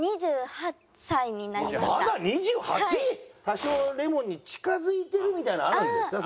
多少レモンに近付いてるみたいなのあるんですか？